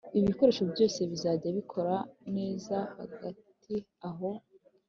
ibikoresho byose bizajya bikorana neza Hagati aho